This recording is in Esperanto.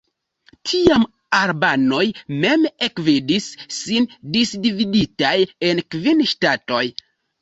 Tiam albanoj mem ekvidis sin disdividitaj en kvin ŝtatoj.